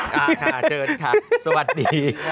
เจอจากค่ะสวัสดี